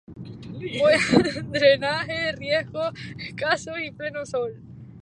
Buen drenaje, riegos escasos y pleno sol.